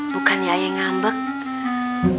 bukannya ayah yang ngambek